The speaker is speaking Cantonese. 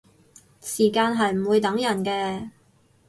時間係唔會等人嘅